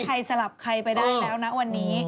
สลับใครไปได้แล้วนะวันนี้